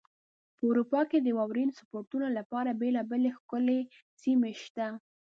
په اروپا کې د واورین سپورتونو لپاره بېلابېلې ښکلې سیمې شته.